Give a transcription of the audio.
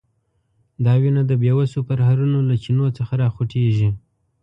دا وینه د بیوسو پرهرونو له چینو څخه راخوټېږي.